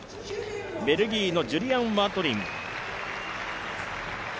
ベルギーのジュリアン・ワトリン。